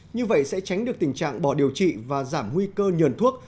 như vậy sẽ tránh được tình trạng bỏ điều trị và giảm nguy cơ nhờn thuốc